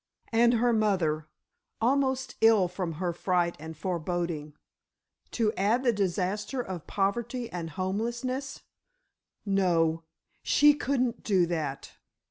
And her mother, almost ill from her fright and foreboding. To add the disaster of poverty and homelessness—no, she couldn't do that!